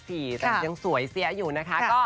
แต่ยังสวยเสียอยู่นะคะ